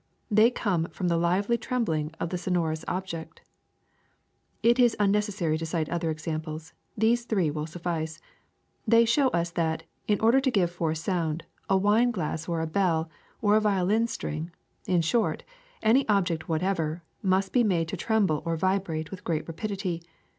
They come from the lively trembling of the sonorous object. ^^It is unnecessary to cite other examples; these three will suffice. They show us that, in order to give forth sound, a wine glass or a bell or a violin string — in short, any object whatever — must be made to tremble or vibrate with great rapidity.